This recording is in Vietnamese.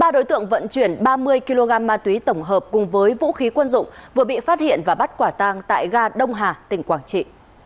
ba đối tượng vận chuyển ba mươi kg ma túy tổng hợp cùng với vũ khí quân dụng vừa bị phát hiện và bắt quả tang tại ga đông hà tỉnh quảng trị